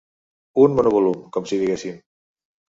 Un monovolum, com si diguéssim.